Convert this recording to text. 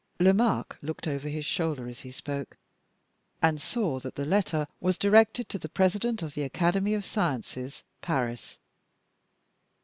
Lomaque looked over his shoulder as he spoke, and saw that the letter was directed to the President of the Academy of Sciences, Paris.